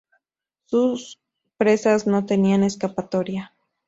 Sus presas no tenían escapatoria"".